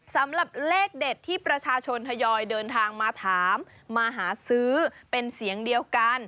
สำหรับเลขเด็ดที่ประชาชนทยอยเดินทางมาถามมาหาซื้อเป็นเสียงเดียวกัน